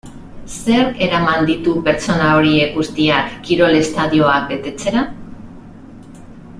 Zerk eraman ditu pertsona horiek guztiak kirol estadioak betetzera?